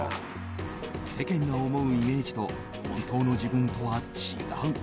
世間が思うイメージと本当の自分とは違う。